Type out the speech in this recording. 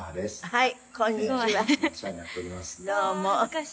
「はい。